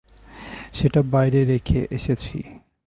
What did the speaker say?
সেটা বাইরে রেখে এসেছি।